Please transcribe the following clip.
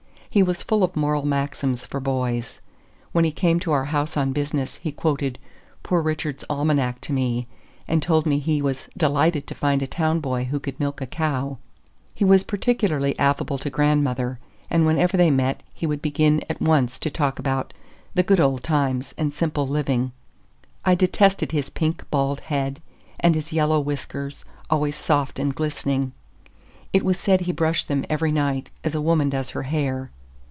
He was full of moral maxims for boys. When he came to our house on business, he quoted "Poor Richard's Almanack" to me, and told me he was delighted to find a town boy who could milk a cow. He was particularly affable to grandmother, and whenever they met he would begin at once to talk about "the good old times" and simple living. I detested his pink, bald head, and his yellow whiskers, always soft and glistening. It was said he brushed them every night, as a woman does her hair.